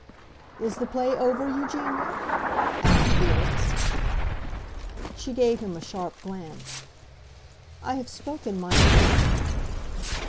'" "Is the play over, Eugenia?" asked Felix. She gave him a sharp glance. "I have spoken my part."